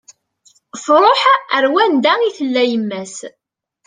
Truḥ ar wanda i tella yemma-s